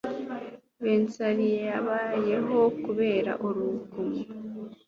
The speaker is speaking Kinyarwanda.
bensaliyabayeho kubera urugomo